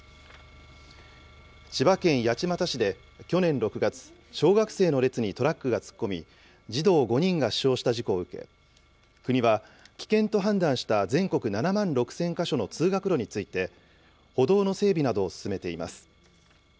千葉県八街市で去年６月、小学生の列にトラックが突っ込み、児童５人が死傷した事故を受け、国は危険と判断した全国７万６０００か所の通学路について、歩道の整備などを進めています。